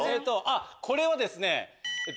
あっこれはですね。